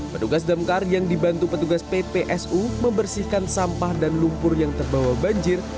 petugas damkar yang dibantu petugas ppsu membersihkan sampah dan lumpur yang terbawa banjir